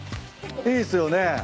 いいっすよね？